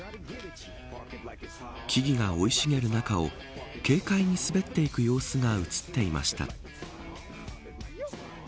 木々が生い茂る中を軽快に滑っていく様子が映っていました。